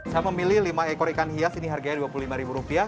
saya memilih lima ekor ikan hias ini harganya dua puluh lima ribu rupiah